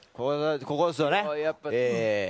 ここですよね！